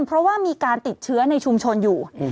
เพราะว่ามีการติดเชื้อในชุมชนอยู่